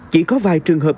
chỉ có vài trường hợp